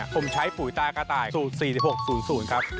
ผมใช้ปุ๋ยตากระต่ายสูตร๔๖๐๐ครับ